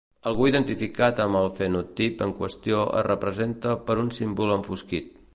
Algú identificat amb el fenotip en qüestió es representa per un símbol enfosquit.